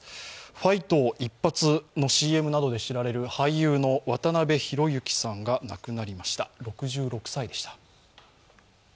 ファイト、一発のＣＭなどで知られる俳優の渡辺裕之さんが亡くなりました、６６歳でした。